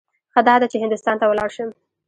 ښه داده چې هندوستان ته ولاړ شم.